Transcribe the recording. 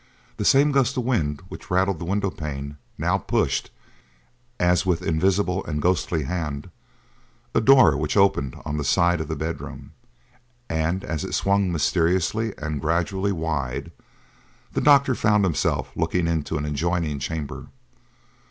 The same gust of wind which rattled the window pane now pushed, as with invisible and ghostly hand, a door which opened on the side of the bedroom, and as it swung mysteriously and gradually wide the doctor found himself looking into an adjoining chamber.